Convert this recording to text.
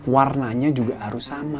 warnanya juga harus sama